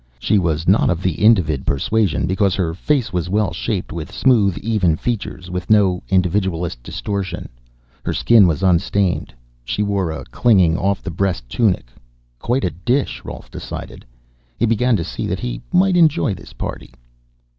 She was not of the Individ persuasion, because her face was well shaped, with smooth, even features, with no individualist distortion. Her skin was unstained. She wore a clinging off the breast tunic. Quite a dish, Rolf decided. He began to see that he might enjoy this party.